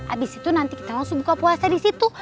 abis itu nanti kita langsung buka puasa di situ